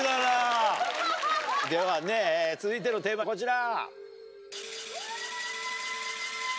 では続いてのテーマはこちら。